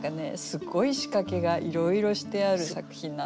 すごい仕掛けがいろいろしてある作品なんですよね。